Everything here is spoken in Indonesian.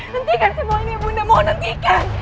hentikan semua ini bunda mohon hentikan